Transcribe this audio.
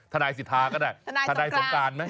ทนายสิทธาก็ได้ทนายสงการไหม